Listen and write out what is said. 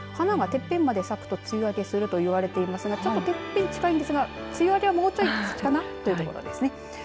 花がてっぺんまで咲くと梅雨明けすると言われていますがてっぺん近いですが梅雨明けは、もうちょい先かなという感じです。